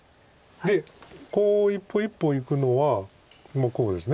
で一歩一歩いくのはもうこうです。